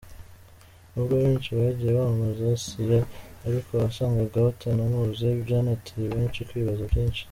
Nubwo benshi bagiye bamamaza Assia ariko wasangaga batanamuzi byanateye benshi kwibaza byinshi.